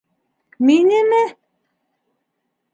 Минеме?